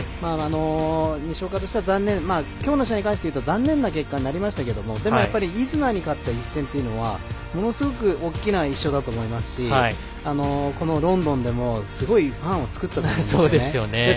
西岡としては、きょうの試合に関して言うと残念な結果になりますがでも、イズナーに勝った１勝というのはものすごく大きな１勝だと思いますしこのロンドンでもすごいファンを作ったと思います。